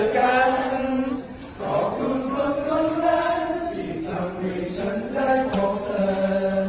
ที่ทำให้ฉันได้โพสเตอร์